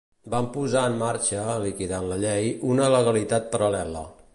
Van posar en marxa, liquidant la llei, una legalitat paral·lela.